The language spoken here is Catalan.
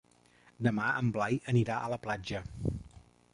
Demà en Blai anirà a la platja.